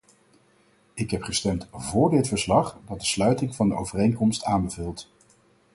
Ik heb gestemd vóór dit verslag, dat de sluiting van de overeenkomst aanbeveelt.